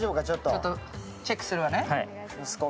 ちょっとチェックするわね。